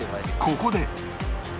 ここで